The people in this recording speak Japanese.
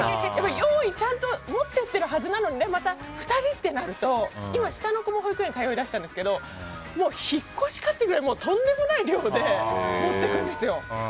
用意をしてちゃんと持っていっているはずなのに２人ってなると今は下の子も保育園通いだしたんですけど引っ越しかというとんでもない量を持っていくんですよ。